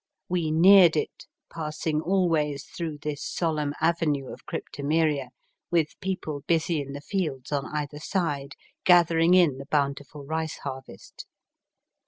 We neared it, passing always through this solemn avenue of cryptomeria, with people busy in the fields on either side, gathering in the bountiful rioe harvest.